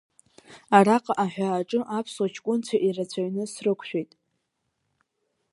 Араҟа аҳәааҿы аԥсуа ҷкәынцәа ирацәаҩны срықәшәеит.